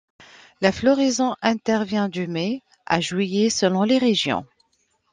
La floraison intervient de mai à juillet selon les régions.